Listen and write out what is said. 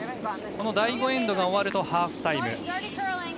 第５エンドが終わるとハーフタイム。